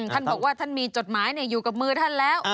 ท่านบอกว่าท่านมีจดหมายอยู่กับมือท่านแล้ว